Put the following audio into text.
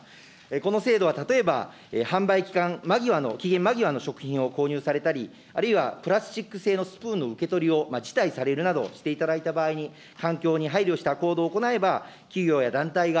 この制度は例えば、販売期間間際の、期限間際の食品を購入されたり、あるいはプラスチック製のスプーンの受け取りを辞退されるなどしていただいた場合に、環境に配慮した行動を行えば、企業や団体が、